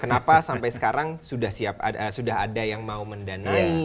kenapa sampai sekarang sudah ada yang mau mendanai